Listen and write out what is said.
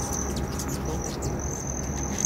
dans ta tête.